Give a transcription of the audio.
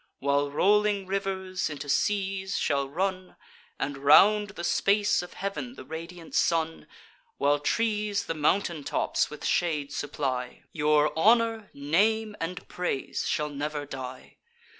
While rolling rivers into seas shall run, And round the space of heav'n the radiant sun; While trees the mountain tops with shades supply, Your honour, name, and praise shall never die.